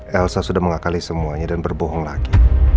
elsa sudah mengakali semuanya dan berbohong lagi